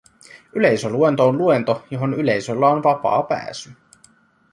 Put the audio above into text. Yleisöluento on luento, johon yleisöllä on vapaa pääsy